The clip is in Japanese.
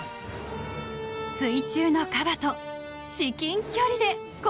［水中のカバと至近距離でご対面］